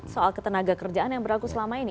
soal ketenaga kerjaan yang berlaku selama ini